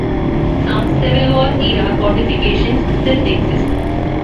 Some Civil War-era fortifications still exist.